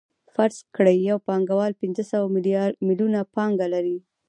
فرض کړئ یو پانګوال پنځه سوه میلیونه پانګه لري